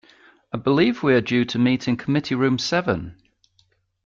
I believe we are due to meet in committee room seven.